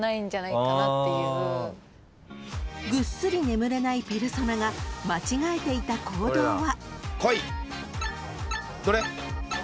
［ぐっすり眠れないペルソナが間違えていた行動は］